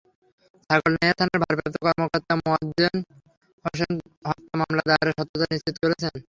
ছাগলনাইয়া থানার ভারপ্রাপ্ত কর্মকর্তা মোয়াজ্জেম হোসেন হত্যা মামলা দায়েরের সত্যতা নিশ্চিত করেছেন।